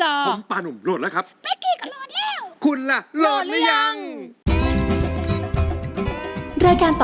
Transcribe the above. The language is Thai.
ผมป่านุ่มโหลดแล้วครับ